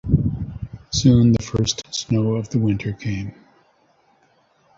Soon the first snow of the winter came.